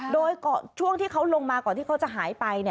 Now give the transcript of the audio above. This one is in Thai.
โดยช่วงที่เขาลงมาก่อนที่เขาจะหายไป